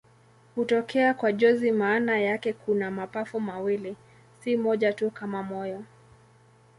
Hutokea kwa jozi maana yake kuna mapafu mawili, si moja tu kama moyo.